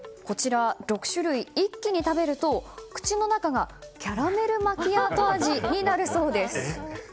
こちら６種類一気に食べると口の中がキャラメルマキアート味になるそうです。